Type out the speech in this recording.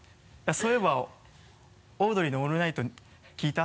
そういえばオードリーの「オールナイト」聴いた？